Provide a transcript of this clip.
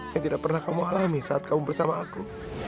yang tidak pernah kamu alami saat kamu bersama aku